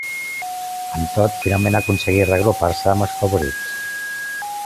Amb tot, finalment aconseguí reagrupar-se amb els favorits.